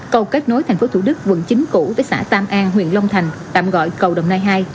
cầu kết nối tp thủ đức quận chín củ với xã tam an huyện long thành tạm gọi cầu đồng nai hai